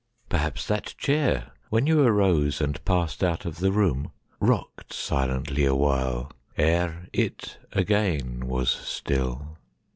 Perhaps that chair, when you arose and passedOut of the room, rocked silently a whileEre it again was still.